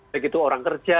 begitu orang kerja